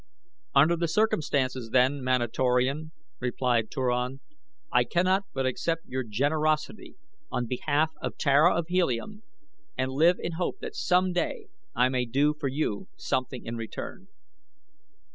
"Under the circumstances, then, Manatorian," replied Turan, "I cannot but accept your generosity on behalf of Tara of Helium and live in hope that some day I may do for you something in return."